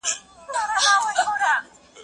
زه هره ورځ لاس پرېولم؟